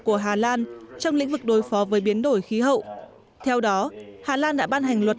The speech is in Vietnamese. của hà lan trong lĩnh vực đối phó với biến đổi khí hậu theo đó hà lan đã ban hành luật